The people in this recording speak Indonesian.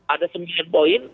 ada sembilan poin